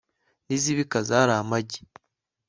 n'izibika zari amagi